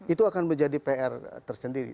itu akan menjadi pr tersendiri